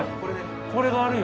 これがあるよ。